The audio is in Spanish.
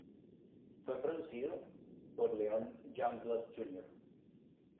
Fue producido por Leon Youngblood Jr.